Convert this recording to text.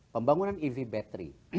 pembangunan ev battery